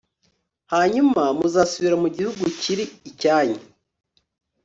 hanyuma muzasubira mu gihugu kiri icyanyu